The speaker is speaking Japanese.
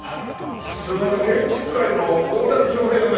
すごい。建築界の大谷翔平だね。